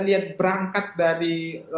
lihat berangkat dari